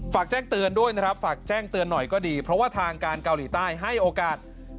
ฝากแจ้งเตือนด้วยนะครับฝากแจ้งเตือนหน่อยก็ดีเพราะว่าทางการเกาหลีใต้ให้โอกาส